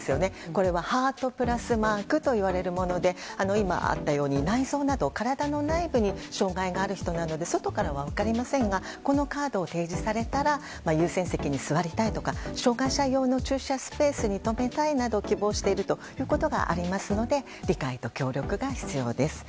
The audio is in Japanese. これは、ハート・プラスマークといわれるもので今あったように内臓など体の内部に障害がある人などで外からは分かりませんがこのカードを提示されたら優先席に座りたいとか障害者用の駐車スペースに止めたいなどを希望していることがありますので理解と協力が必要です。